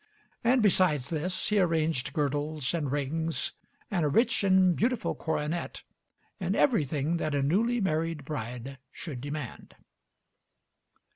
And besides this, he arranged girdles and rings and a rich and beautiful coronet, and everything that a newly married bride should demand.